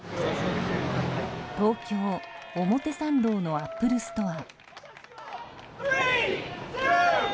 東京・表参道のアップルストア。